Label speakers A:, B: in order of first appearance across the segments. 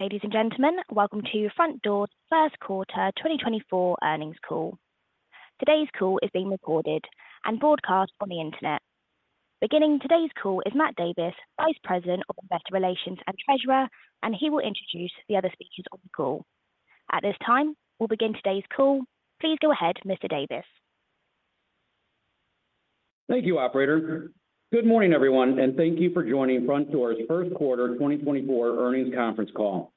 A: Ladies and gentlemen, welcome to Frontdoor's First Quarter 2024 Earnings Call. Today's call is being recorded and broadcast on the Internet. Beginning today's call is Matt Davis, Vice President of Investor Relations and Treasurer, and he will introduce the other speakers on the call. At this time, we'll begin today's call. Please go ahead, Mr. Davis.
B: Thank you, operator. Good morning, everyone, and thank you for joining Frontdoor's first quarter 2024 earnings conference call.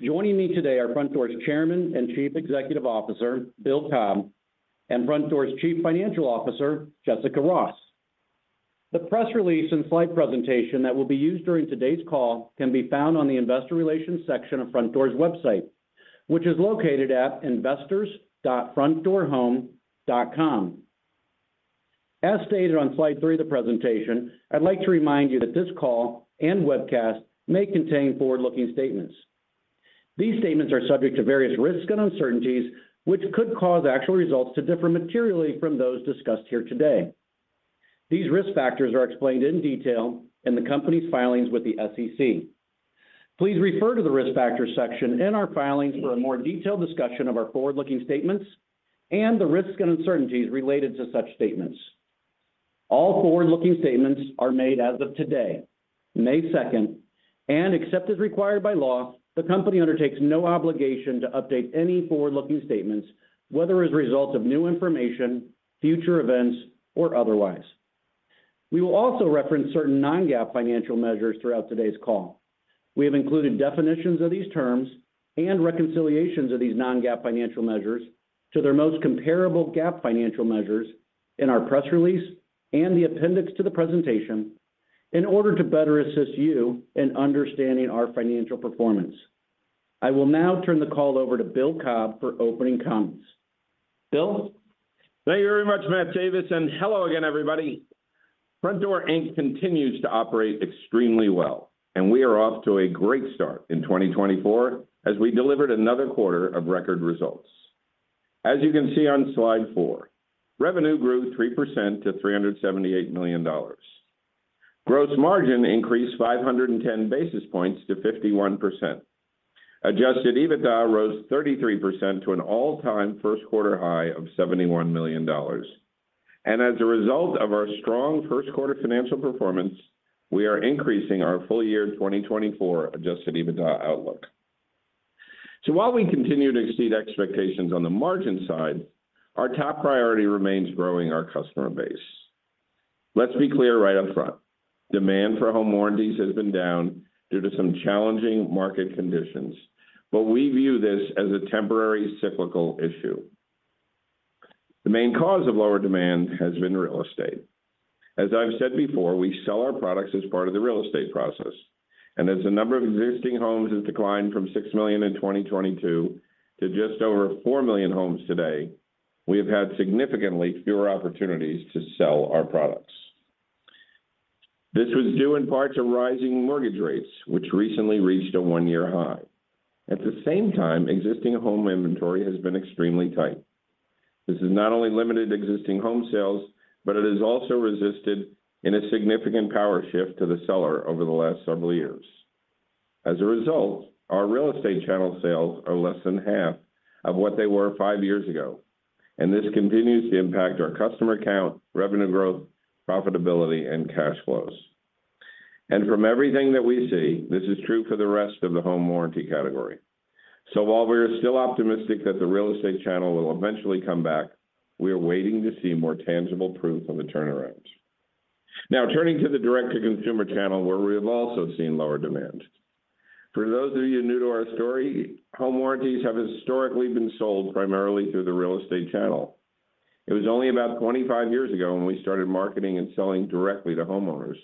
B: Joining me today are Frontdoor's Chairman and Chief Executive Officer, Bill Cobb, and Frontdoor's Chief Financial Officer, Jessica Ross. The press release and slide presentation that will be used during today's call can be found on the investor relations section of Frontdoor's website, which is located at investors.frontdoorhome.com. As stated on slide 3 of the presentation, I'd like to remind you that this call and webcast may contain forward-looking statements. These statements are subject to various risks and uncertainties, which could cause actual results to differ materially from those discussed here today. These risk factors are explained in detail in the company's filings with the SEC. Please refer to the Risk Factors section in our filings for a more detailed discussion of our forward-looking statements and the risks and uncertainties related to such statements. All forward-looking statements are made as of today, May second, and except as required by law, the company undertakes no obligation to update any forward-looking statements, whether as a result of new information, future events, or otherwise. We will also reference certain non-GAAP financial measures throughout today's call. We have included definitions of these terms and reconciliations of these non-GAAP financial measures to their most comparable GAAP financial measures in our press release and the appendix to the presentation in order to better assist you in understanding our financial performance. I will now turn the call over to Bill Cobb for opening comments. Bill?
C: Thank you very much, Matt Davis, and hello again, everybody. Frontdoor, Inc. continues to operate extremely well, and we are off to a great start in 2024 as we delivered another quarter of record results. As you can see on slide 4, revenue grew 3% to $378 million. Gross margin increased 510 basis points to 51%. Adjusted EBITDA rose 33% to an all-time first quarter high of $71 million. And as a result of our strong first quarter financial performance, we are increasing our full year 2024 Adjusted EBITDA outlook. So while we continue to exceed expectations on the margin side, our top priority remains growing our customer base. Let's be clear right up front, demand for home warranties has been down due to some challenging market conditions, but we view this as a temporary cyclical issue. The main cause of lower demand has been real estate. As I've said before, we sell our products as part of the real estate process, and as the number of existing homes has declined from 6 million in 2022 to just over 4 million homes today, we have had significantly fewer opportunities to sell our products. This was due in part to rising mortgage rates, which recently reached a one-year high. At the same time, existing home inventory has been extremely tight. This has not only limited existing home sales, but it has also resulted in a significant power shift to the seller over the last several years. As a result, our real estate channel sales are less than half of what they were 5 years ago, and this continues to impact our customer count, revenue growth, profitability, and cash flows. From everything that we see, this is true for the rest of the home warranty category. So while we are still optimistic that the real estate channel will eventually come back, we are waiting to see more tangible proof of a turnaround. Now, turning to the direct-to-consumer channel, where we have also seen lower demand. For those of you new to our story, home warranties have historically been sold primarily through the real estate channel. It was only about 25 years ago when we started marketing and selling directly to homeowners.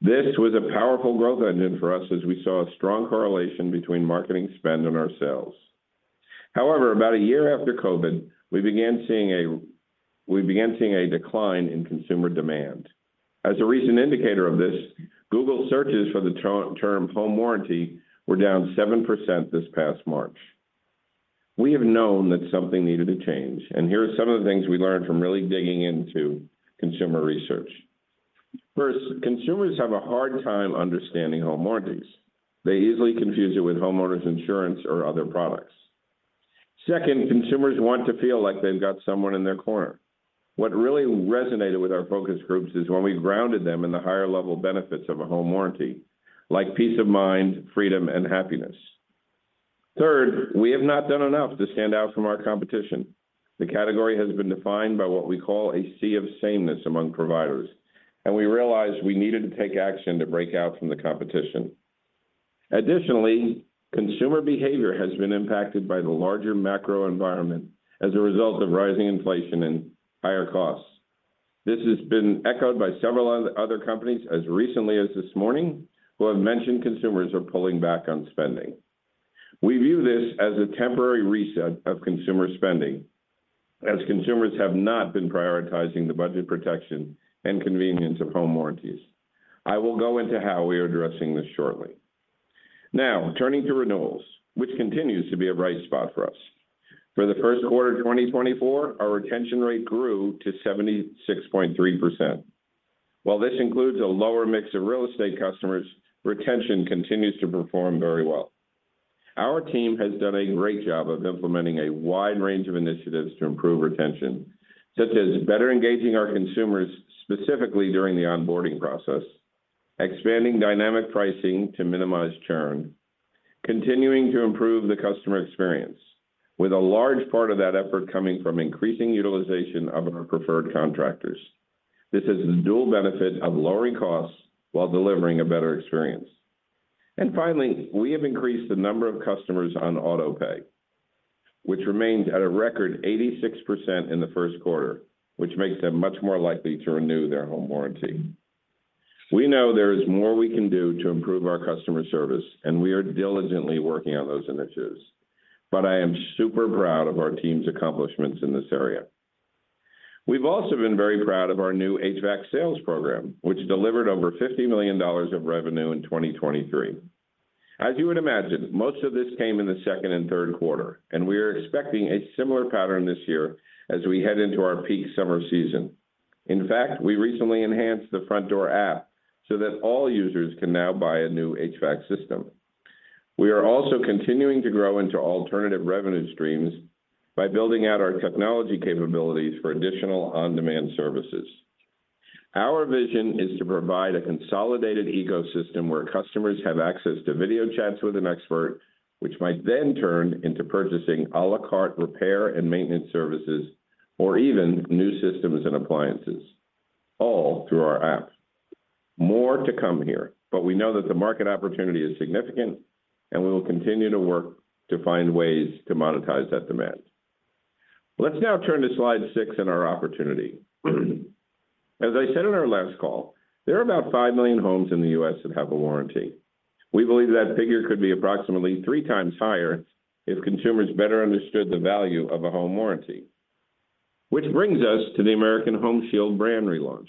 C: This was a powerful growth engine for us as we saw a strong correlation between marketing spend and our sales. However, about a year after COVID, we began seeing a decline in consumer demand. As a recent indicator of this, Google searches for the term "home warranty" were down 7% this past March. We have known that something needed to change, and here are some of the things we learned from really digging into consumer research. First, consumers have a hard time understanding home warranties. They easily confuse it with homeowners insurance or other products. Second, consumers want to feel like they've got someone in their corner. What really resonated with our focus groups is when we grounded them in the higher-level benefits of a home warranty, like peace of mind, freedom, and happiness. Third, we have not done enough to stand out from our competition. The category has been defined by what we call a sea of sameness among providers, and we realized we needed to take action to break out from the competition. Additionally, consumer behavior has been impacted by the larger macro environment as a result of rising inflation and higher costs. This has been echoed by several other companies as recently as this morning, who have mentioned consumers are pulling back on spending. We view this as a temporary reset of consumer spending, as consumers have not been prioritizing the budget protection and convenience of home warranties. I will go into how we are addressing this shortly. Now, turning to renewals, which continues to be a bright spot for us. For the first quarter of 2024, our retention rate grew to 76.3%. While this includes a lower mix of real estate customers, retention continues to perform very well. Our team has done a great job of implementing a wide range of initiatives to improve retention, such as better engaging our consumers, specifically during the onboarding process, expanding dynamic pricing to minimize churn, continuing to improve the customer experience, with a large part of that effort coming from increasing utilization of our preferred contractors. This has the dual benefit of lowering costs while delivering a better experience. And finally, we have increased the number of customers on autopay, which remains at a record 86% in the first quarter, which makes them much more likely to renew their home warranty. We know there is more we can do to improve our customer service, and we are diligently working on those initiatives, but I am super proud of our team's accomplishments in this area. We've also been very proud of our new HVAC sales program, which delivered over $50 million of revenue in 2023. As you would imagine, most of this came in the second and third quarter, and we are expecting a similar pattern this year as we head into our peak summer season. In fact, we recently enhanced the Frontdoor app so that all users can now buy a new HVAC system. We are also continuing to grow into alternative revenue streams by building out our technology capabilities for additional on-demand services. Our vision is to provide a consolidated ecosystem where customers have access to video chats with an expert, which might then turn into purchasing a la carte repair and maintenance services, or even new systems and appliances, all through our app. More to come here, but we know that the market opportunity is significant, and we will continue to work to find ways to monetize that demand. Let's now turn to slide 6 in our opportunity. As I said in our last call, there are about 5 million homes in the U.S. that have a warranty. We believe that figure could be approximately 3 times higher if consumers better understood the value of a home warranty. Which brings us to the American Home Shield brand relaunch,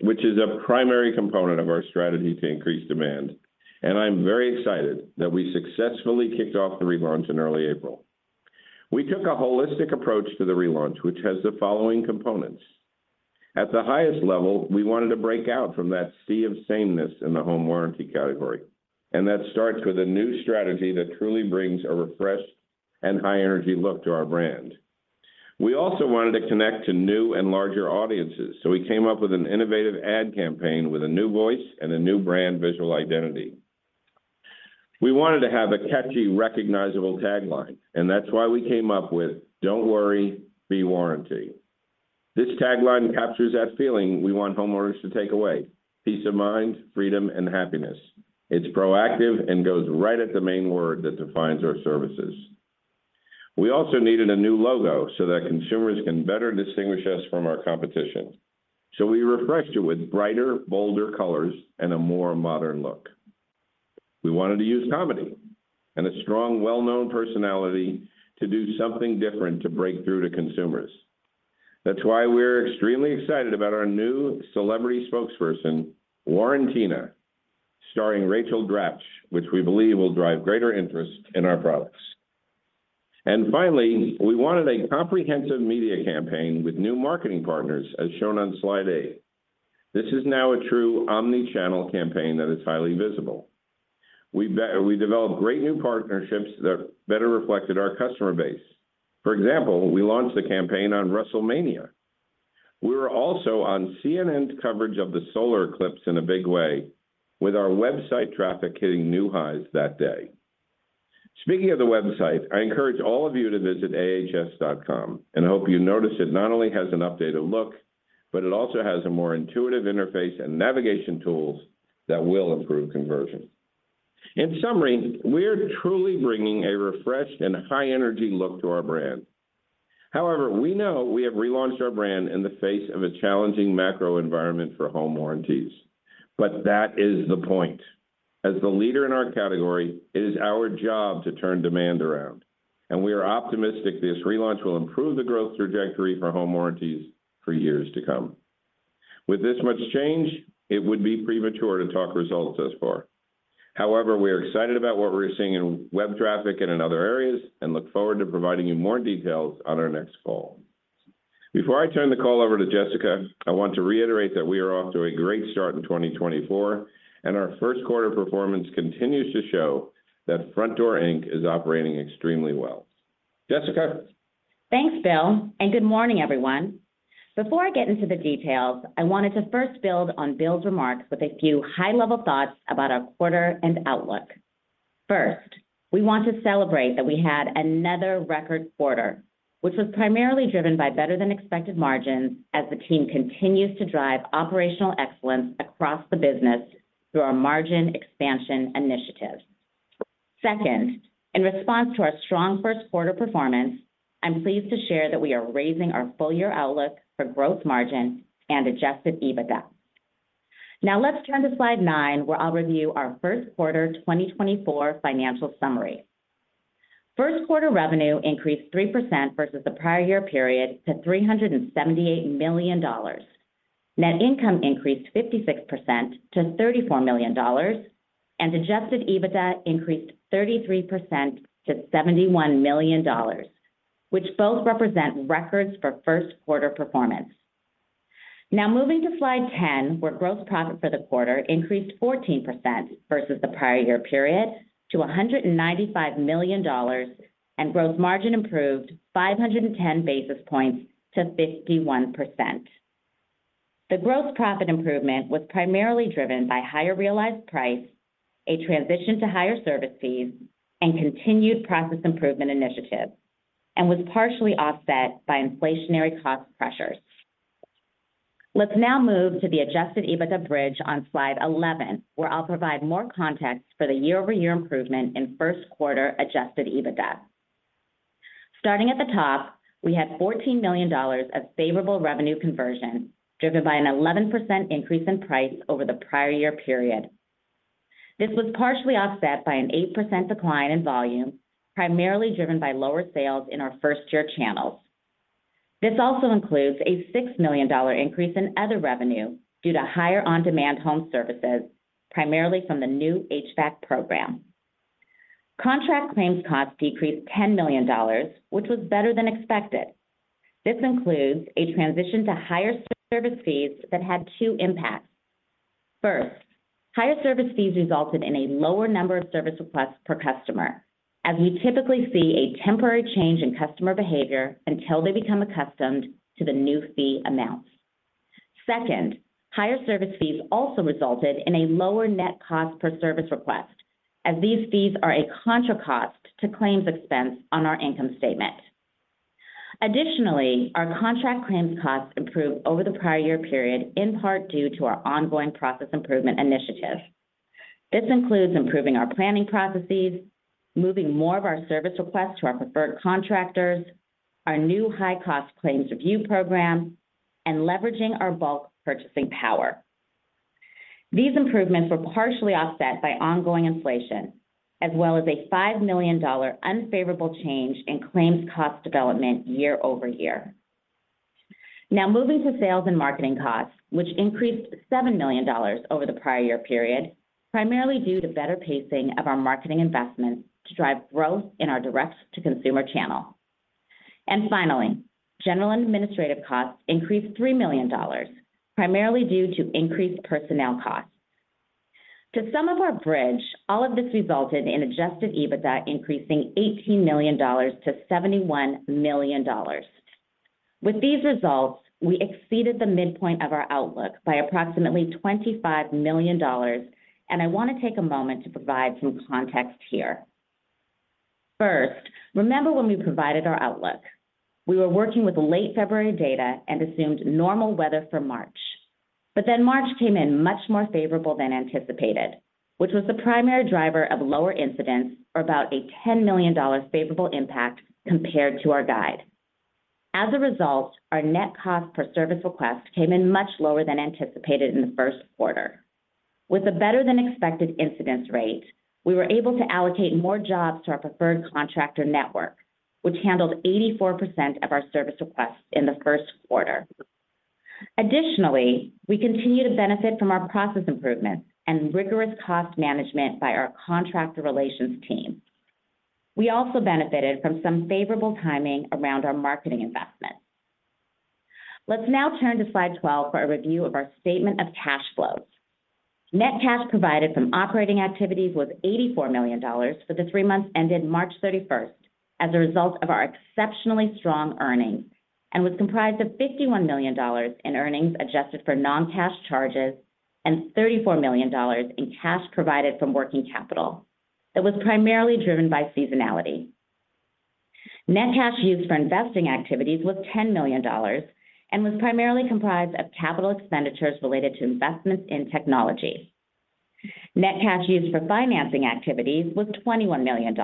C: which is a primary component of our strategy to increase demand, and I'm very excited that we successfully kicked off the relaunch in early April. We took a holistic approach to the relaunch, which has the following components: At the highest level, we wanted to break out from that sea of sameness in the home warranty category, and that starts with a new strategy that truly brings a refreshed and high-energy look to our brand. We also wanted to connect to new and larger audiences, so we came up with an innovative ad campaign with a new voice and a new brand visual identity. We wanted to have a catchy, recognizable tagline, and that's why we came up with, "Don't worry, be warranty." This tagline captures that feeling we want homeowners to take away: peace of mind, freedom, and happiness. It's proactive and goes right at the main word that defines our services. We also needed a new logo so that consumers can better distinguish us from our competition. So we refreshed it with brighter, bolder colors and a more modern look. We wanted to use comedy and a strong, well-known personality to do something different to break through to consumers. That's why we're extremely excited about our new celebrity spokesperson, Warrantina, starring Rachel Dratch, which we believe will drive greater interest in our products. And finally, we wanted a comprehensive media campaign with new marketing partners, as shown on slide eight. This is now a true omni-channel campaign that is highly visible. We developed great new partnerships that better reflected our customer base. For example, we launched the campaign on WrestleMania. We were also on CNN's coverage of the solar eclipse in a big way, with our website traffic hitting new highs that day. Speaking of the website, I encourage all of you to visit ahs.com, and I hope you notice it not only has an updated look, but it also has a more intuitive interface and navigation tools that will improve conversion. In summary, we're truly bringing a refreshed and high-energy look to our brand. However, we know we have relaunched our brand in the face of a challenging macro environment for home warranties. But that is the point. As the leader in our category, it is our job to turn demand around, and we are optimistic this relaunch will improve the growth trajectory for home warranties for years to come. With this much change, it would be premature to talk results thus far. However, we are excited about what we're seeing in web traffic and in other areas and look forward to providing you more details on our next call. Before I turn the call over to Jessica, I want to reiterate that we are off to a great start in 2024, and our first quarter performance continues to show that Frontdoor, Inc. is operating extremely well. Jessica?
D: Thanks, Bill, and good morning, everyone. Before I get into the details, I wanted to first build on Bill's remarks with a few high-level thoughts about our quarter and outlook. First, we want to celebrate that we had another record quarter, which was primarily driven by better-than-expected margins as the team continues to drive operational excellence across the business through our margin expansion initiatives. Second, in response to our strong first quarter performance, I'm pleased to share that we are raising our full-year outlook for gross margin and Adjusted EBITDA. Now, let's turn to slide 9, where I'll review our first quarter 2024 financial summary. First quarter revenue increased 3% versus the prior year period to $378 million. Net income increased 56% to $34 million, and Adjusted EBITDA increased 33% to $71 million.... which both represent records for first quarter performance. Now moving to Slide 10, where gross profit for the quarter increased 14% versus the prior year period to $195 million, and gross margin improved 510 basis points to 51%. The gross profit improvement was primarily driven by higher realized price, a transition to higher service fees, and continued process improvement initiatives, and was partially offset by inflationary cost pressures. Let's now move to the Adjusted EBITDA bridge on Slide 11, where I'll provide more context for the year-over-year improvement in first quarter Adjusted EBITDA. Starting at the top, we had $14 million of favorable revenue conversion, driven by an 11% increase in price over the prior year period. This was partially offset by an 8% decline in volume, primarily driven by lower sales in our first-year channels. This also includes a $6 million increase in other revenue due to higher on-demand home services, primarily from the new HVAC program. Contract claims costs decreased $10 million, which was better than expected. This includes a transition to higher service fees that had two impacts. First, higher service fees resulted in a lower number of service requests per customer, as we typically see a temporary change in customer behavior until they become accustomed to the new fee amounts. Second, higher service fees also resulted in a lower net cost per service request, as these fees are a contra cost to claims expense on our income statement. Additionally, our contract claims costs improved over the prior year period, in part due to our ongoing process improvement initiatives. This includes improving our planning processes, moving more of our service requests to our preferred contractors, our new high cost claims review program, and leveraging our bulk purchasing power. These improvements were partially offset by ongoing inflation, as well as a $5 million unfavorable change in claims cost development year-over-year. Now, moving to sales and marketing costs, which increased $7 million over the prior year period, primarily due to better pacing of our marketing investments to drive growth in our direct-to-consumer channel. And finally, general and administrative costs increased $3 million, primarily due to increased personnel costs. To sum up our bridge, all of this resulted in Adjusted EBITDA increasing $18 million - $71 million. With these results, we exceeded the midpoint of our outlook by approximately $25 million, and I want to take a moment to provide some context here. First, remember when we provided our outlook, we were working with late February data and assumed normal weather for March. But then March came in much more favorable than anticipated, which was the primary driver of lower incidence or about a $10 million favorable impact compared to our guide. As a result, our net cost per service request came in much lower than anticipated in the first quarter. With a better than expected incidence rate, we were able to allocate more jobs to our preferred contractor network, which handled 84% of our service requests in the first quarter. Additionally, we continue to benefit from our process improvements and rigorous cost management by our contractor relations team. We also benefited from some favorable timing around our marketing investments. Let's now turn to Slide 12 for a review of our statement of cash flows. Net cash provided from operating activities was $84 million for the three months ended March 31st, as a result of our exceptionally strong earnings, and was comprised of $51 million in earnings adjusted for non-cash charges and $34 million in cash provided from working capital. It was primarily driven by seasonality. Net cash used for investing activities was $10 million and was primarily comprised of capital expenditures related to investments in technology. Net cash used for financing activities was $21 million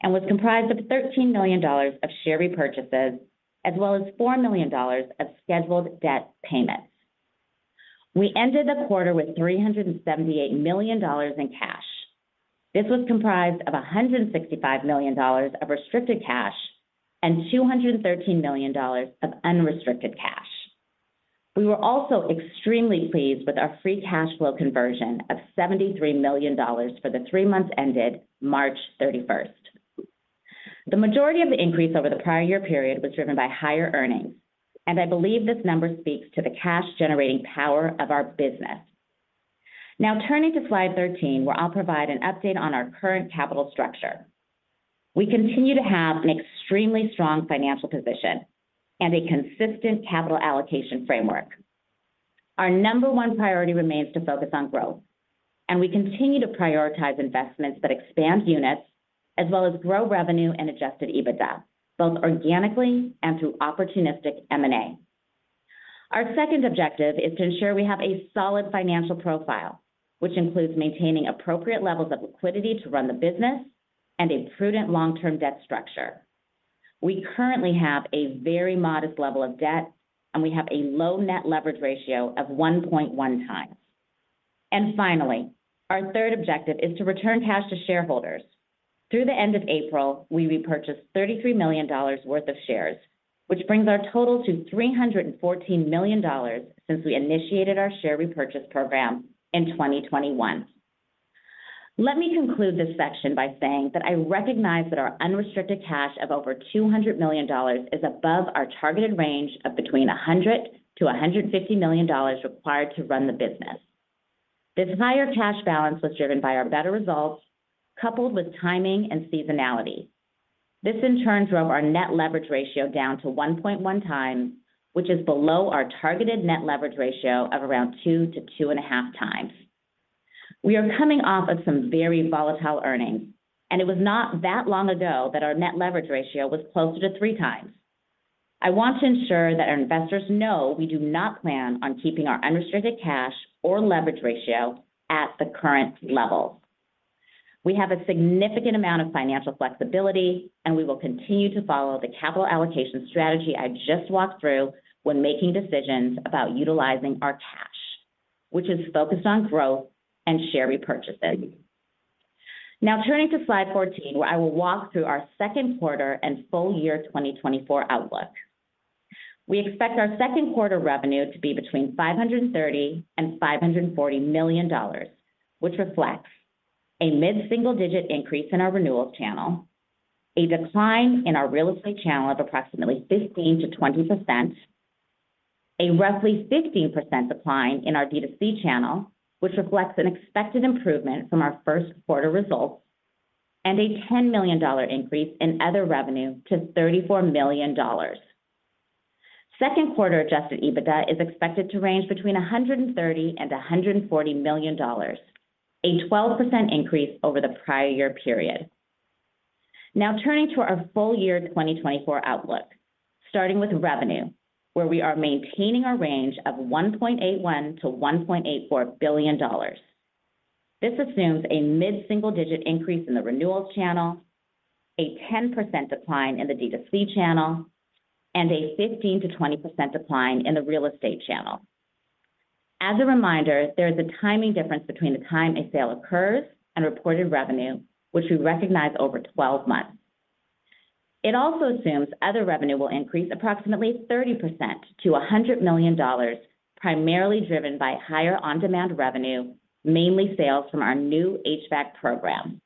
D: and was comprised of $13 million of share repurchases, as well as $4 million of scheduled debt payments. We ended the quarter with $378 million in cash. This was comprised of $165 million of restricted cash and $213 million of unrestricted cash. We were also extremely pleased with our free cash flow conversion of $73 million for the three months ended March 31st. The majority of the increase over the prior year period was driven by higher earnings, and I believe this number speaks to the cash-generating power of our business. Now, turning to Slide 13, where I'll provide an update on our current capital structure. We continue to have an extremely strong financial position and a consistent capital allocation framework. Our number 1 priority remains to focus on growth, and we continue to prioritize investments that expand units as well as grow revenue and Adjusted EBITDA, both organically and through opportunistic M&A. Our second objective is to ensure we have a solid financial profile, which includes maintaining appropriate levels of liquidity to run the business and a prudent long-term debt structure. We currently have a very modest level of debt, and we have a low net leverage ratio of 1.1 times. Finally, our third objective is to return cash to shareholders. Through the end of April, we repurchased $33 million worth of shares, which brings our total to $314 million since we initiated our share repurchase program in 2021. Let me conclude this section by saying that I recognize that our unrestricted cash of over $200 million is above our targeted range of between $100 million-$150 million required to run the business. This higher cash balance was driven by our better results, coupled with timing and seasonality. This in turn, drove our net leverage ratio down to 1.1 times, which is below our targeted net leverage ratio of around 2-2.5 times. We are coming off of some very volatile earnings, and it was not that long ago that our net leverage ratio was closer to 3 times. I want to ensure that our investors know we do not plan on keeping our unrestricted cash or leverage ratio at the current levels. We have a significant amount of financial flexibility, and we will continue to follow the capital allocation strategy I just walked through when making decisions about utilizing our cash, which is focused on growth and share repurchases. Now, turning to slide 14, where I will walk through our second quarter and full year 2024 outlook. We expect our second quarter revenue to be between $530 million and $540 million, which reflects a mid-single-digit increase in our renewals channel, a decline in our real estate channel of approximately 15%-20%, a roughly 15% decline in our DTC channel, which reflects an expected improvement from our first quarter results, and a $10 million increase in other revenue to $34 million. Second quarter Adjusted EBITDA is expected to range between $130 million and $140 million, a 12% increase over the prior year period. Now, turning to our full year 2024 outlook, starting with revenue, where we are maintaining a range of $1.81 billion-$1.84 billion. This assumes a mid-single-digit increase in the renewals channel, a 10% decline in the DTC channel, and a 15%-20% decline in the real estate channel. As a reminder, there is a timing difference between the time a sale occurs and reported revenue, which we recognize over 12 months. It also assumes other revenue will increase approximately 30% to $100 million, primarily driven by higher on-demand revenue, mainly sales from our new HVAC program.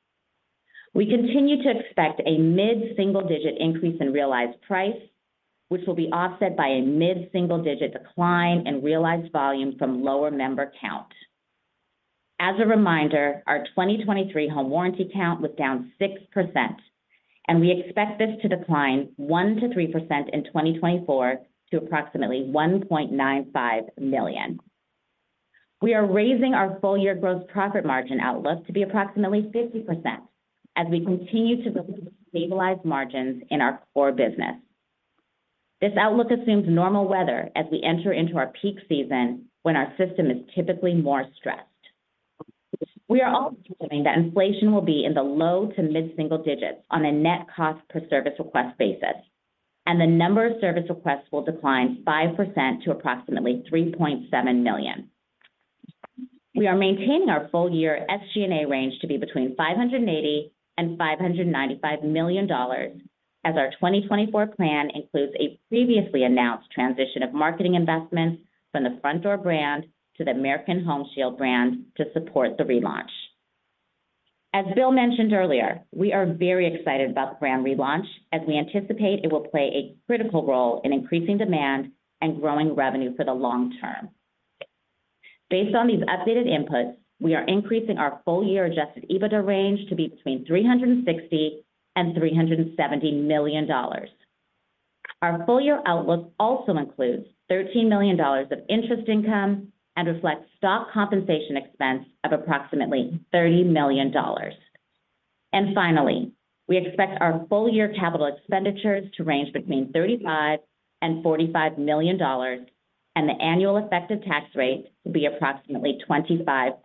D: We continue to expect a mid-single-digit increase in realized price, which will be offset by a mid-single-digit decline in realized volume from lower member count. As a reminder, our 2023 home warranty count was down 6%, and we expect this to decline 1%-3% in 2024 to approximately 1.95 million. We are raising our full year gross profit margin outlook to be approximately 50% as we continue to stabilize margins in our core business. This outlook assumes normal weather as we enter into our peak season, when our system is typically more stressed. We are also assuming that inflation will be in the low to mid-single digits on a net cost per service request basis, and the number of service requests will decline 5% to approximately 3.7 million. We are maintaining our full year SG&A range to be between $580 million and $595 million, as our 2024 plan includes a previously announced transition of marketing investments from the Frontdoor brand to the American Home Shield brand to support the relaunch. As Bill mentioned earlier, we are very excited about the brand relaunch as we anticipate it will play a critical role in increasing demand and growing revenue for the long term. Based on these updated inputs, we are increasing our full year Adjusted EBITDA range to be between $360 million and $370 million. Our full year outlook also includes $13 million of interest income and reflects stock compensation expense of approximately $30 million. And finally, we expect our full year capital expenditures to range between $35 million and $45 million, and the annual effective tax rate to be approximately 25%.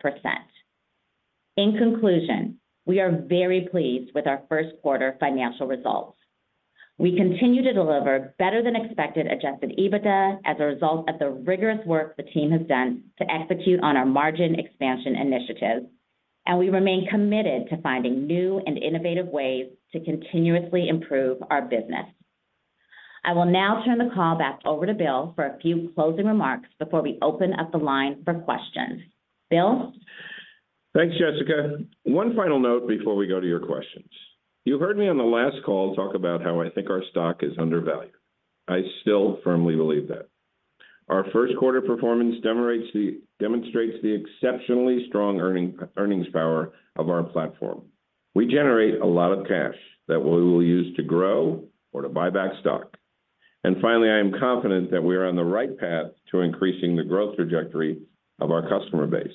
D: In conclusion, we are very pleased with our first quarter financial results. We continue to deliver better than expected Adjusted EBITDA as a result of the rigorous work the team has done to execute on our margin expansion initiatives, and we remain committed to finding new and innovative ways to continuously improve our business. I will now turn the call back over to Bill for a few closing remarks before we open up the line for questions. Bill?
C: Thanks, Jessica. One final note before we go to your questions. You heard me on the last call talk about how I think our stock is undervalued. I still firmly believe that. Our first quarter performance demonstrates the exceptionally strong earning, earnings power of our platform. We generate a lot of cash that we will use to grow or to buy back stock. And finally, I am confident that we are on the right path to increasing the growth trajectory of our customer base.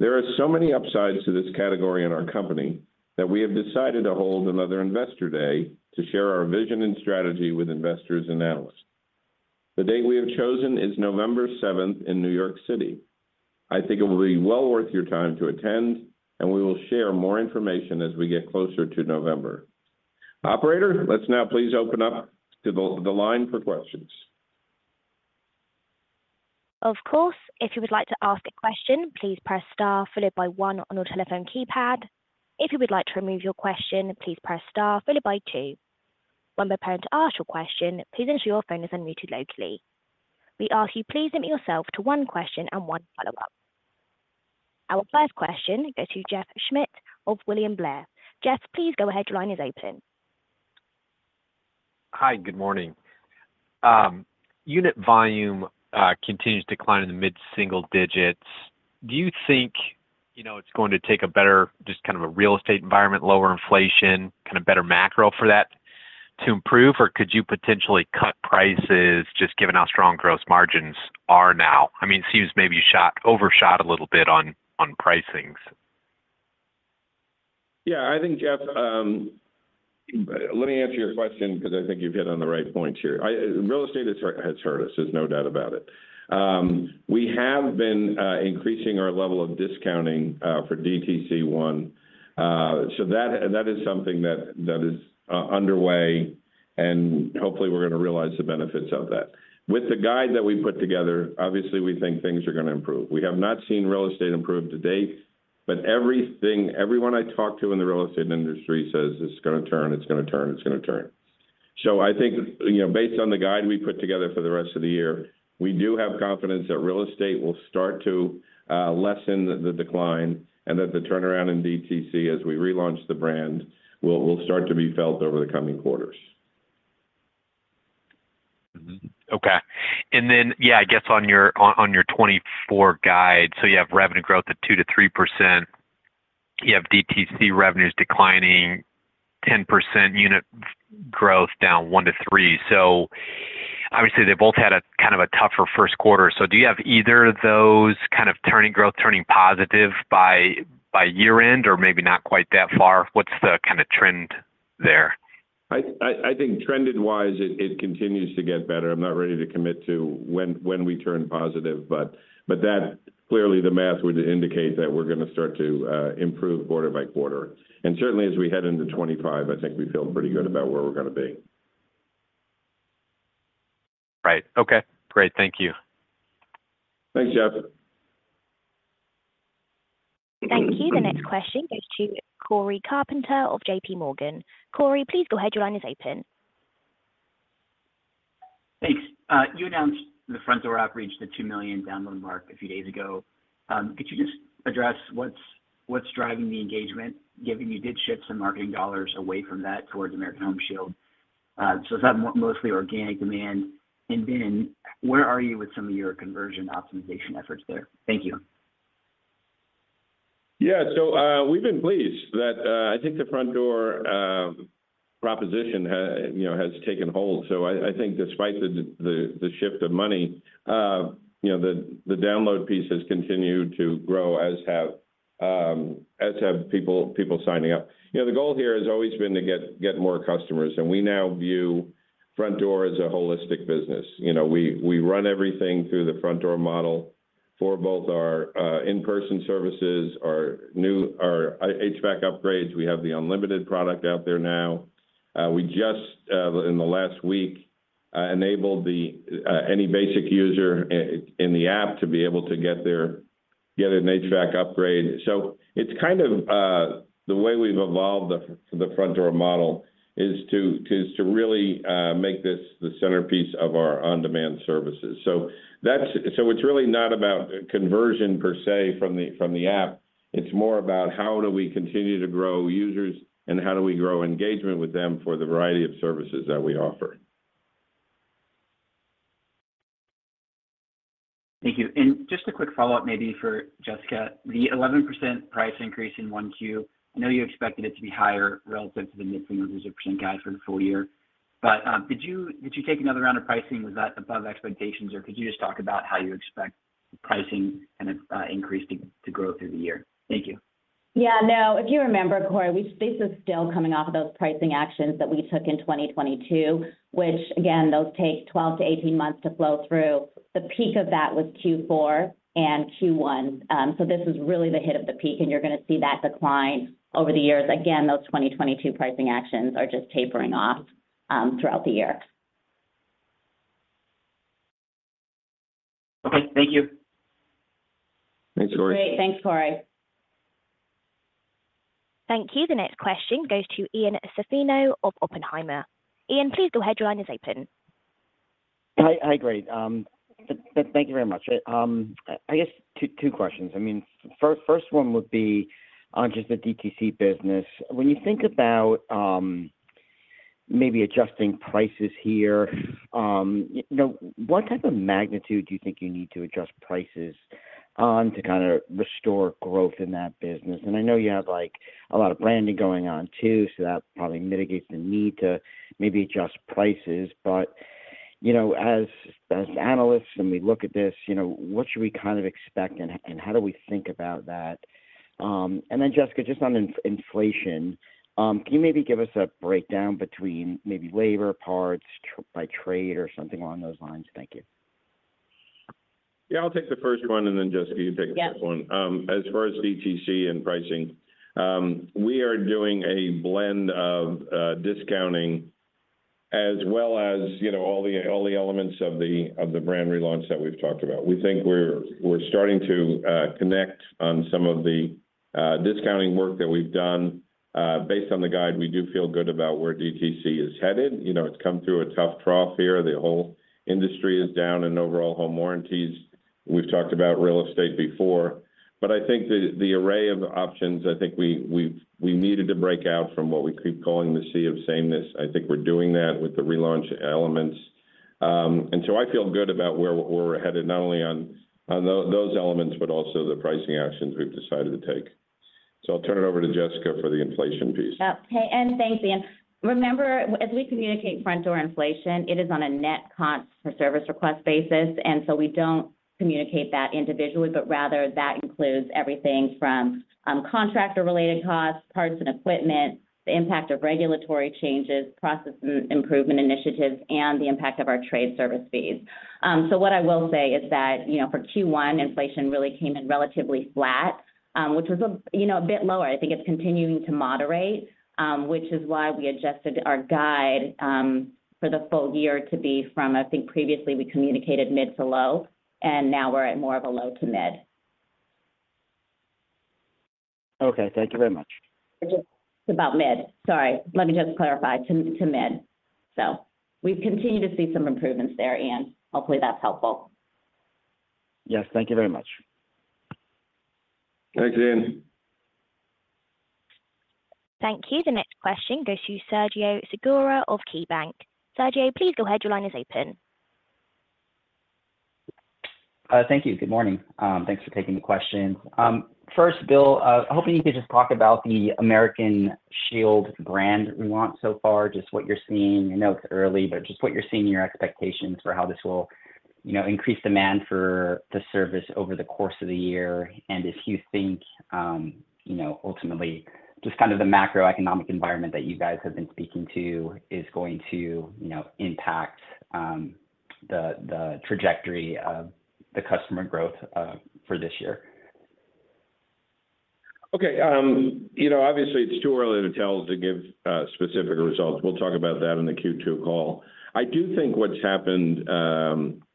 C: There are so many upsides to this category in our company that we have decided to hold another investor day to share our vision and strategy with investors and analysts. The date we have chosen is November seventh in New York City. I think it will be well worth your time to attend, and we will share more information as we get closer to November. Operator, let's now please open up to the line for questions.
A: Of course. If you would like to ask a question, please press star followed by one on your telephone keypad. If you would like to remove your question, please press star followed by two.... When preparing to ask your question, please ensure your phone is unmuted locally. We ask you please limit yourself to one question and one follow-up. Our first question goes to Jeff Schmitt of William Blair. Jeff, please go ahead. Your line is open.
E: Hi, good morning. Unit volume continues to decline in the mid-single digits. Do you think, you know, it's going to take a better, just kind of a real estate environment, lower inflation, kind of better macro for that to improve? Or could you potentially cut prices just given how strong gross margins are now? I mean, it seems maybe you overshot a little bit on pricings.
C: Yeah, I think, Jeff, let me answer your question because I think you've hit on the right points here. I, real estate has hurt, has hurt us, there's no doubt about it. We have been increasing our level of discounting for DTC 1. So that, that is something that, that is underway, and hopefully we're going to realize the benefits of that. With the guide that we put together, obviously, we think things are going to improve. We have not seen real estate improve to date, but everything, everyone I talk to in the real estate industry says it's going to turn, it's going to turn, it's going to turn. I think, you know, based on the guide we put together for the rest of the year, we do have confidence that real estate will start to lessen the decline and that the turnaround in DTC, as we relaunch the brand, will start to be felt over the coming quarters.
E: Mm-hmm. Okay. And then, yeah, I guess on your 2024 guide, so you have revenue growth at 2%-3%. You have DTC revenues declining 10%, unit growth down 1-3. So obviously, they both had a kind of a tougher first quarter. So do you have either of those kind of turning growth, turning positive by year-end, or maybe not quite that far? What's the kind of trend there?
C: I think trended-wise, it continues to get better. I'm not ready to commit to when we turn positive, but that clearly the math would indicate that we're going to start to improve quarter by quarter. Certainly, as we head into 2025, I think we feel pretty good about where we're going to be.
E: Right. Okay, great. Thank you.
C: Thanks, Jeff.
A: Thank you. The next question goes to Cory Carpenter of J.P. Morgan. Cory, please go ahead. Your line is open.
F: Thanks. You announced the Frontdoor app, the 2 million download mark a few days ago. Could you just address what's driving the engagement, given you did shift some marketing dollars away from that towards American Home Shield? So is that mostly organic demand? And then where are you with some of your conversion optimization efforts there? Thank you.
C: Yeah. So, we've been pleased that, I think the Frontdoor proposition, you know, has taken hold. So I think despite the shift of money, you know, the download piece has continued to grow, as have people signing up. You know, the goal here has always been to get more customers, and we now view Frontdoor as a holistic business. You know, we run everything through the Frontdoor model for both our in-person services, our new HVAC upgrades. We have the unlimited product out there now. We just in the last week enabled any basic user in the app to be able to get an HVAC upgrade. So it's kind of the way we've evolved the Frontdoor model is to really make this the centerpiece of our on-demand services. So it's really not about conversion per se, from the app. It's more about how do we continue to grow users and how do we grow engagement with them for the variety of services that we offer.
F: Thank you. Just a quick follow-up, maybe for Jessica. The 11% price increase in 1Q, I know you expected it to be higher relative to the mid-single-digit % guide for the full year, but did you take another round of pricing? Was that above expectations, or could you just talk about how you expect pricing and increase to grow through the year? Thank you.
D: Yeah. No, if you remember, Cory, we—this is still coming off of those pricing actions that we took in 2022, which again, those take 12-18 months to flow through. The peak of that was Q4 and Q1. So this is really the hit of the peak, and you're going to see that decline over the years. Again, those 2022 pricing actions are just tapering off throughout the year.
F: Okay. Thank you.
C: Thanks, Cory.
D: Great. Thanks, Cory.
A: Thank you. The next question goes to Ian Zaffino of Oppenheimer. Ian, please go ahead. Your line is open.
G: Hi. Hi, great. Thank you very much. I guess two, two questions. I mean, first one would be on just the DTC business. When you think about, maybe adjusting prices here, you know, what type of magnitude do you think you need to adjust prices on to kind of restore growth in that business? And I know you have, like, a lot of branding going on too, so that probably mitigates the need to maybe adjust prices. But, you know, as, as analysts, when we look at this, you know, what should we kind of expect, and, and how do we think about that? And then Jessica, just on inflation, can you maybe give us a breakdown between maybe labor parts by trade or something along those lines? Thank you.
C: Yeah, I'll take the first one, and then Jessica, you can take the second one.
D: Yep.
C: As far as DTC and pricing, we are doing a blend of discounting as well as, you know, all the elements of the brand relaunch that we've talked about. We think we're starting to connect on some of the discounting work that we've done, based on the guide, we do feel good about where DTC is headed. You know, it's come through a tough trough here. The whole industry is down in overall home warranties. We've talked about real estate before, but I think the array of options, I think we needed to break out from what we keep calling the sea of sameness. I think we're doing that with the relaunch elements. And so I feel good about where we're headed, not only on those elements, but also the pricing actions we've decided to take. So I'll turn it over to Jessica for the inflation piece.
D: Okay, and thanks, Ian. Remember, as we communicate Frontdoor inflation, it is on a net cost per service request basis, and so we don't communicate that individually, but rather that includes everything from contractor-related costs, parts and equipment, the impact of regulatory changes, process improvement initiatives, and the impact of our trade service fees. So what I will say is that, you know, for Q1, inflation really came in relatively flat, which was, you know, a bit lower. I think it's continuing to moderate, which is why we adjusted our guide for the full year to be from... I think previously we communicated mid to low, and now we're at more of a low to mid.
G: Okay, thank you very much.
D: Just about mid. Sorry, let me just clarify, to mid. So we've continued to see some improvements there, Ian. Hopefully, that's helpful.
G: Yes, thank you very much.
C: Thanks, Ian.
A: Thank you. The next question goes to Sergio Segura of KeyBanc. Sergio, please go ahead. Your line is open.
H: Thank you. Good morning. Thanks for taking the question. First, Bill, hoping you could just talk about the American Shield brand launch so far, just what you're seeing. I know it's early, but just what you're seeing, your expectations for how this will, you know, increase demand for the service over the course of the year, and if you think, you know, ultimately, just kind of the macroeconomic environment that you guys have been speaking to is going to, you know, impact, the, the trajectory of the customer growth, for this year.
C: Okay. You know, obviously, it's too early to tell, to give specific results. We'll talk about that in the Q2 call. I do think what's happened,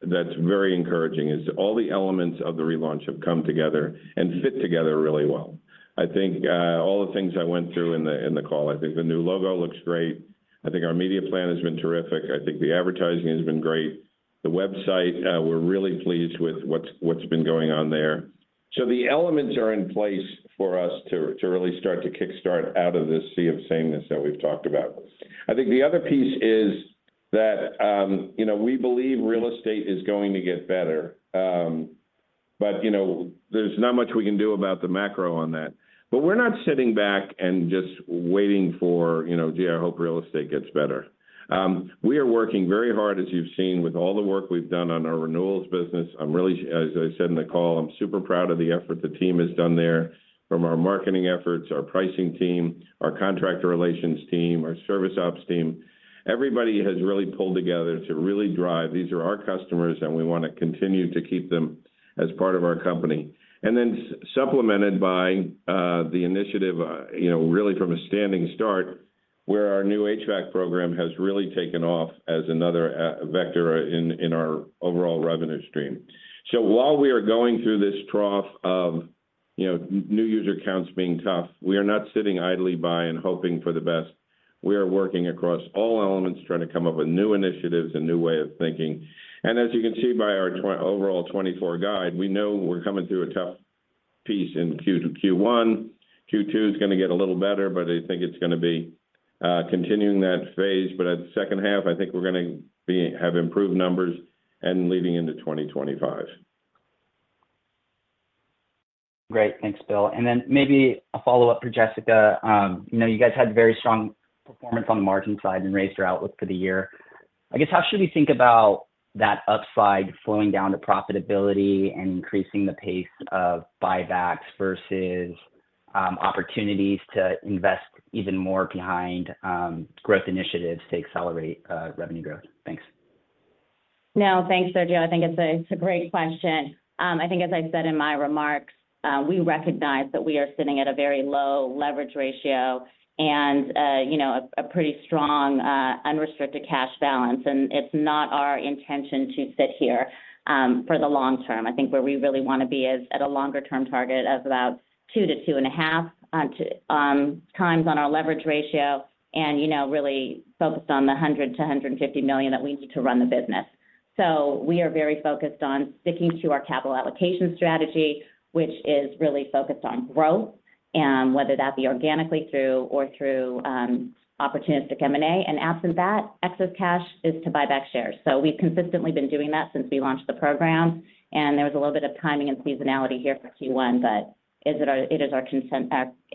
C: that's very encouraging is all the elements of the relaunch have come together and fit together really well. I think all the things I went through in the, in the call, I think the new logo looks great. I think our media plan has been terrific. I think the advertising has been great. The website, we're really pleased with what's been going on there. So the elements are in place for us to really start to kickstart out of this sea of sameness that we've talked about. I think the other piece is that, you know, we believe real estate is going to get better, but, you know, there's not much we can do about the macro on that. But we're not sitting back and just waiting for, you know, "Gee, I hope real estate gets better." We are working very hard, as you've seen, with all the work we've done on our renewals business. I'm really... As I said in the call, I'm super proud of the effort the team has done there, from our marketing efforts, our pricing team, our contractor relations team, our service ops team. Everybody has really pulled together to really drive. These are our customers, and we want to continue to keep them as part of our company. And then supplemented by the initiative, you know, really from a standing start, where our new HVAC program has really taken off as another vector in our overall revenue stream. So while we are going through this trough of, you know, new user accounts being tough, we are not sitting idly by and hoping for the best. We are working across all elements, trying to come up with new initiatives and new way of thinking. And as you can see by our overall 2024 guide, we know we're coming through a tough piece in Q1. Q2 is going to get a little better, but I think it's going to be continuing that phase. But at the second half, I think we're going to have improved numbers and leading into 2025.
H: Great. Thanks, Bill. And then maybe a follow-up for Jessica. You know, you guys had very strong performance on the margin side and raised your outlook for the year. I guess, how should we think about that upside flowing down to profitability and increasing the pace of buybacks versus opportunities to invest even more behind growth initiatives to accelerate revenue growth? Thanks.
D: No, thanks, Sergio. I think it's a, it's a great question. I think as I said in my remarks, we recognize that we are sitting at a very low leverage ratio and, you know, a, a pretty strong, unrestricted cash balance, and it's not our intention to sit here, for the long term. I think where we really want to be is at a longer-term target of about 2-2.5 times on our leverage ratio and, you know, really focused on the $100 million-$150 million that we need to run the business. So we are very focused on sticking to our capital allocation strategy, which is really focused on growth, whether that be organically through or through, opportunistic M&A. And absent that, excess cash is to buy back shares. So we've consistently been doing that since we launched the program, and there was a little bit of timing and seasonality here for Q1, but it is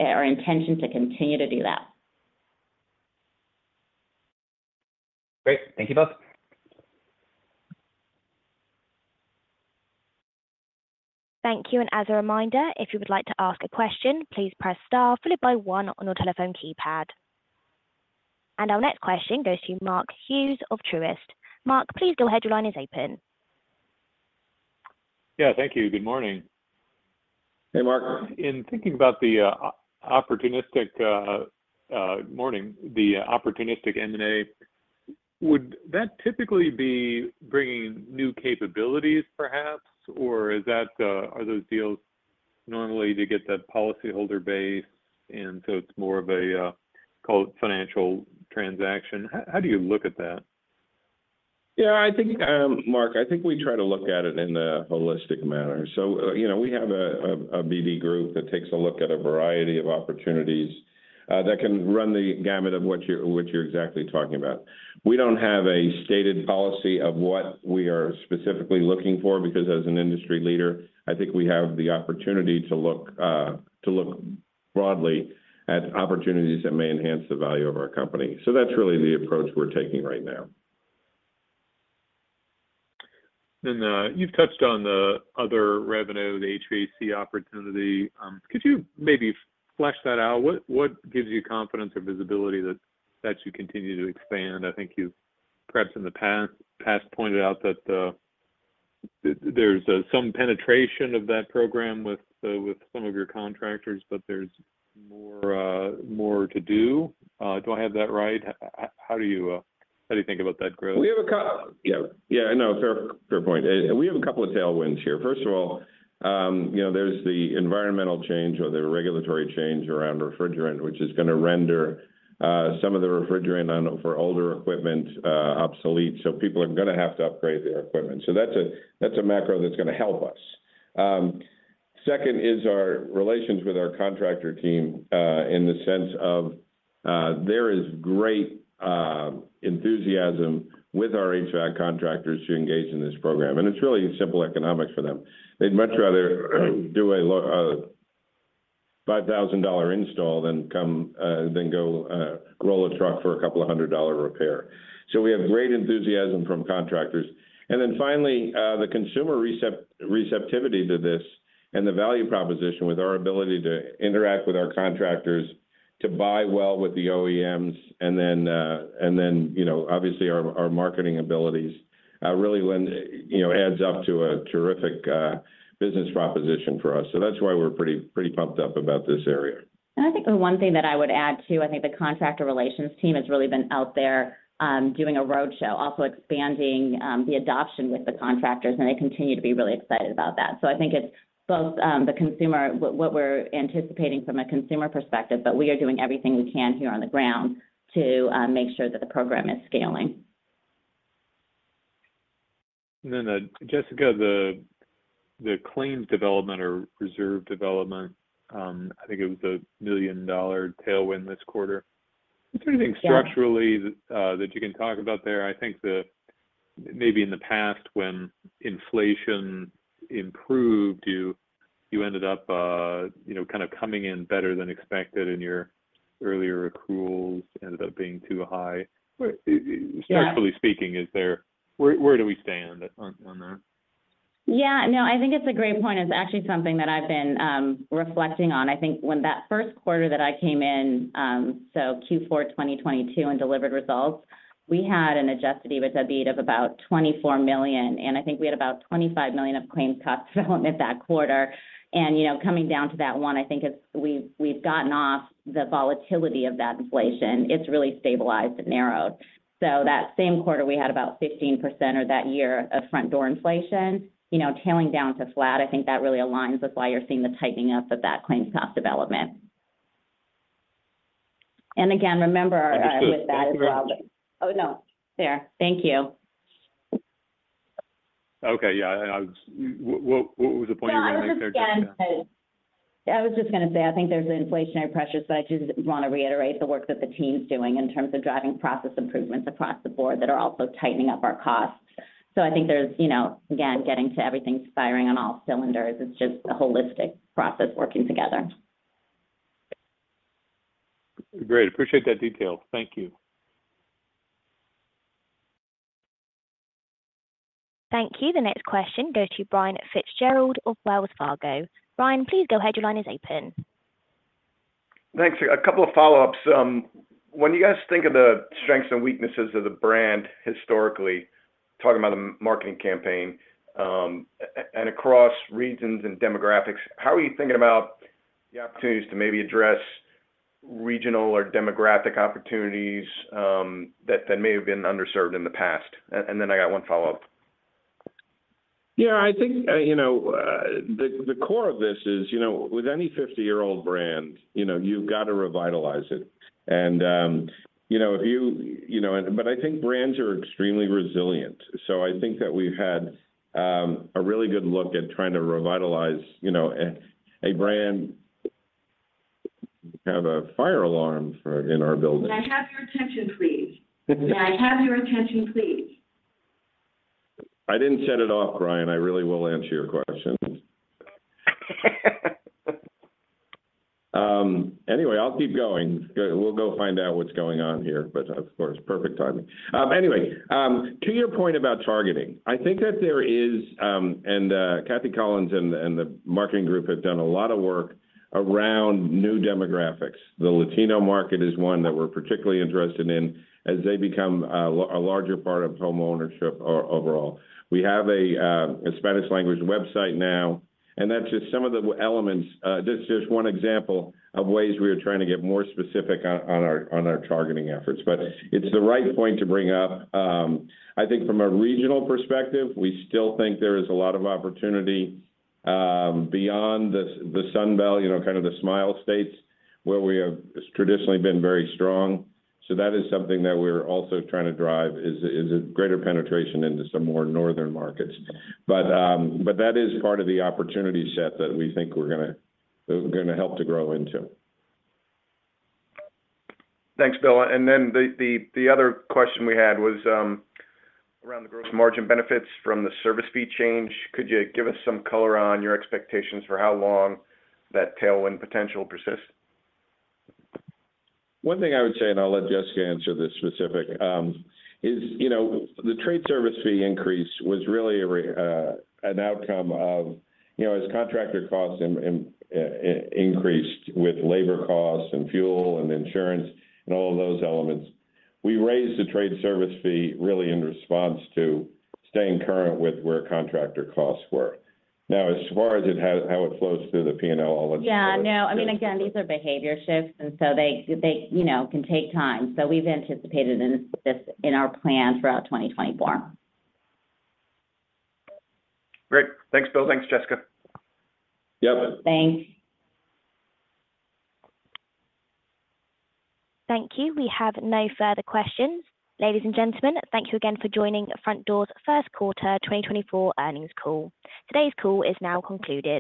D: our intention to continue to do that.
H: Great. Thank you both.
A: Thank you, and as a reminder, if you would like to ask a question, please press star followed by one on your telephone keypad. Our next question goes to Mark Hughes of Truist. Mark, please go ahead. Your line is open.
D: Yeah, thank you. Good morning.
C: Hey, Mark.
I: In thinking about the morning, the opportunistic M&A-... Would that typically be bringing new capabilities perhaps, or is that, are those deals normally to get that policyholder base, and so it's more of a, call it financial transaction? How do you look at that?
C: Yeah, I think, Mark, I think we try to look at it in a holistic manner. So, you know, we have a BD group that takes a look at a variety of opportunities that can run the gamut of what you're exactly talking about. We don't have a stated policy of what we are specifically looking for because, as an industry leader, I think we have the opportunity to look broadly at opportunities that may enhance the value of our company. So that's really the approach we're taking right now.
I: You've touched on the other revenue, the HVAC opportunity. Could you maybe flesh that out? What gives you confidence or visibility that you continue to expand? I think you've perhaps in the past pointed out that there's some penetration of that program with some of your contractors, but there's more to do. Do I have that right? How do you think about that growth?
C: Yeah. Yeah, I know. Fair, fair point. We have a couple of tailwinds here. First of all, you know, there's the environmental change or the regulatory change around refrigerant, which is going to render some of the refrigerant in older equipment obsolete, so people are going to have to upgrade their equipment. So that's a macro that's going to help us. Second is our relations with our contractor team, in the sense of there is great enthusiasm with our HVAC contractors to engage in this program, and it's really simple economics for them. They'd much rather do a $5,000 install than go roll a truck for a couple of $100 repair. So we have great enthusiasm from contractors. And then finally, the consumer receptivity to this and the value proposition with our ability to interact with our contractors, to buy well with the OEMs, and then, and then, you know, obviously, our marketing abilities really lend. You know, adds up to a terrific business proposition for us. So that's why we're pretty, pretty pumped up about this area.
D: I think the one thing that I would add, too, I think the contractor relations team has really been out there, doing a roadshow, also expanding, the adoption with the contractors, and they continue to be really excited about that. So I think it's both, the consumer, what we're anticipating from a consumer perspective, but we are doing everything we can here on the ground to, make sure that the program is scaling.
I: Jessica, the claims development or reserve development, I think it was a $1 million tailwind this quarter.
D: Yeah.
I: Is there anything structurally that you can talk about there? I think that maybe in the past, when inflation improved, you ended up, you know, kind of coming in better than expected, and your earlier accruals ended up being too high.
D: Yeah.
I: Structurally speaking, where do we stand on that?
D: Yeah. No, I think it's a great point. It's actually something that I've been reflecting on. I think when that first quarter that I came in, so Q4 2022, and delivered results, we had an Adjusted EBITDA beat of about $24 million, and I think we had about $25 million of claims cost development that quarter. And, you know, coming down to that one, I think it's we've, we've gotten off the volatility of that inflation. It's really stabilized and narrowed. So that same quarter, we had about 15% or that year of Frontdoor inflation, you know, tailing down to flat. I think that really aligns with why you're seeing the tightening up of that claims cost development. And again, remember with that as well. Oh, no. Fair. Thank you.
I: Okay. Yeah, what was the point you were making there, Jessica?
D: Yeah, I was just going to say, I think there's an inflationary pressure, so I just want to reiterate the work that the team's doing in terms of driving process improvements across the board that are also tightening up our costs. So I think there's, you know, again, getting to everything firing on all cylinders. It's just a holistic process working together.
I: Great. Appreciate that detail. Thank you.
A: Thank you. The next question goes to Brian Fitzgerald of Wells Fargo. Brian, please go ahead. Your line is open.
J: Thanks. A couple of follow-ups. When you guys think of the strengths and weaknesses of the brand historically, talking about the marketing campaign, and across regions and demographics, how are you thinking about the opportunities to maybe address regional or demographic opportunities, that may have been underserved in the past? And then I got one follow-up.
C: Yeah, I think, you know, the core of this is, you know, with any 50-year-old brand, you know, you've got to revitalize it. And, you know, but I think brands are extremely resilient. So I think that we've had a really good look at trying to revitalize, you know, a brand. We have a fire alarm for, in our building.
D: May I have your attention, please? May I have your attention, please?
C: I didn't set it off, Brian. I really will answer your question. Anyway, I'll keep going. We'll go find out what's going on here, but of course, perfect timing. Anyway, to your point about targeting, I think that there is... And, Kathy Collins and the marketing group have done a lot of work around new demographics. The Latino market is one that we're particularly interested in as they become a larger part of homeownership overall. We have a Spanish language website now, and that's just some of the elements, just one example of ways we are trying to get more specific on our targeting efforts. But it's the right point to bring up. I think from a regional perspective, we still think there is a lot of opportunity beyond the Sun Belt, you know, kind of the Smile States, where we have traditionally been very strong. So that is something that we're also trying to drive, is a greater penetration into some more northern markets. But that is part of the opportunity set that we think we're going to help to grow into.
J: Thanks, Bill. And then the other question we had was around the gross margin benefits from the service fee change. Could you give us some color on your expectations for how long that tailwind potential persists?
C: One thing I would say, and I'll let Jessica answer this specific, is, you know, the trade service fee increase was really a, an outcome of, you know, as contractor costs increased with labor costs and fuel and insurance and all of those elements, we raised the trade service fee really in response to staying current with where contractor costs were. Now, as far as how it flows through the P&L, I'll let you go.
D: Yeah, no. I mean, again, these are behavior shifts, and so they you know, can take time. So we've anticipated in this, in our plan throughout 2024.
G: Great. Thanks, Bill. Thanks, Jessica.
C: Yep.
D: Thanks.
A: Thank you. We have no further questions. Ladies and gentlemen, thank you again for joining Frontdoor's first quarter 2024 earnings call. Today's call is now concluded.